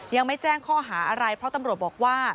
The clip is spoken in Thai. ยังไม่แจ้งข้อหาอะไรเพราะตำรวจบอกว่า